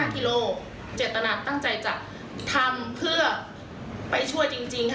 กิโลเจตนาตั้งใจจะทำเพื่อไปช่วยจริงค่ะ